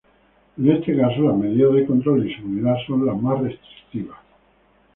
En este caso las medidas de control y seguridad son las más restrictivas.